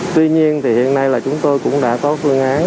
tuy nhiên thì hiện nay là chúng tôi cũng đã có lương án